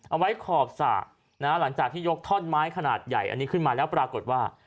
เอาไว้ขอบสระหลังจากที่ยกท่อนไม้ขนาดใหญ่อันนี้ขึ้นมาแล้วปรากฏว่า